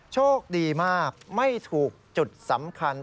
โชคดีมากไม่ถูกจุดสำคัญ